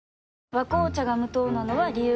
「和紅茶」が無糖なのは、理由があるんよ。